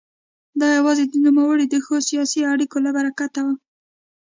دا یوازې د نوموړي د ښو سیاسي اړیکو له برکته وه.